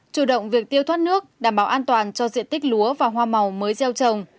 chủ động việc tiêu thoát nước đảm bảo an toàn cho diện tích lúa và hoa màu mới gieo trồng